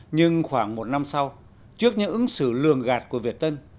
nhưng khoảng một năm sau trước những ứng xử lường gạt của việt tân